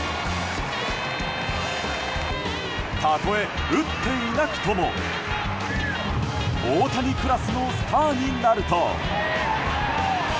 たとえ、打っていなくとも大谷クラスのスターになると。